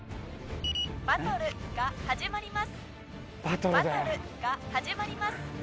バトルが始まります。